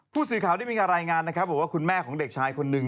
ผู้สื่อข่าวได้มีการรายงานนะครับบอกว่าคุณแม่ของเด็กชายคนหนึ่ง